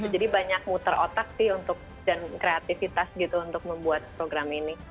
jadi banyak muter otak sih untuk kreativitas gitu untuk membuat program ini